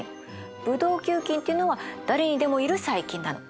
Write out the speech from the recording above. ブドウ球菌っていうのは誰にでもいる細菌なの。